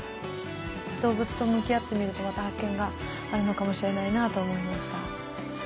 動物と向き合ってみるとまた発見があるのかもしれないなと思いました。